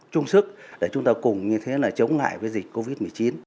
chung sức để chúng ta cùng như thế là chống lại với dịch covid một mươi chín